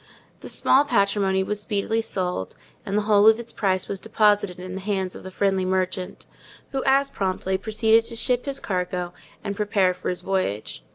The small patrimony was speedily sold, and the whole of its price was deposited in the hands of the friendly merchant; who as promptly proceeded to ship his cargo, and prepare for his voyage.